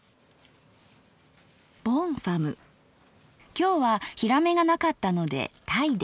今日はヒラメが無かったので鯛で。